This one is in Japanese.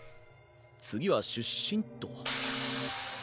次は出身っと。